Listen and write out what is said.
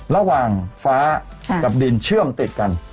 ระหว่างฟ้ากับดินเชื่อมติดกัน